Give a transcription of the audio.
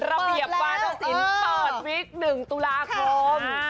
รับเปลี่ยบว่าทลวิค๑ตุลาคม